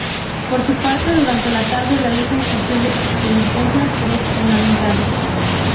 Por su parte, durante la tarde, realizan estación de penitencia tres hermandades.